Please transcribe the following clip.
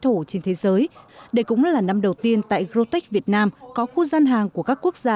thổ trên thế giới đây cũng là năm đầu tiên tại grotech việt nam có khu gian hàng của các quốc gia